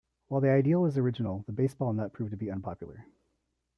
While the idea was original, the Baseball Nut proved to be unpopular.